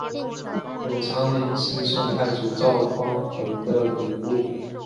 永昌陵是宋太祖赵匡胤的陵墓。